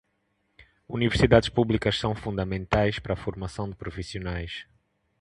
Universidades públicas são fundamentais para a formação de profissionais.